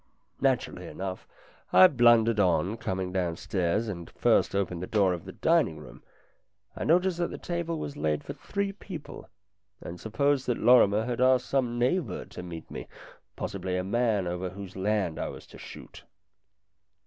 Naturally enough, I blundered on coming down stairs and first opened the door of the dining room. LINDA 279 I noticed that the table was laid for three people, and supposed that Lorrimer had asked some neighbour to meet me, possibly a man over whose land I was to shoot.